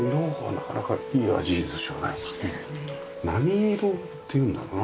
何色っていうんだろうな？